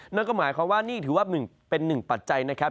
นั่นก็หมายความว่านี่ถือว่าเป็นหนึ่งปัจจัยนะครับ